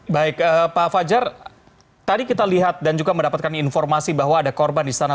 baik pak fajar tadi kita lihat dan juga mendapatkan informasi bahwa ada korban di sana